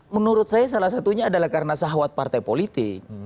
menurut saya salah satunya adalah karena sahwat partai politik